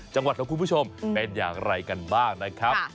จังหวัดของคุณผู้ชมเป็นอย่างไรกันบ้างนะครับ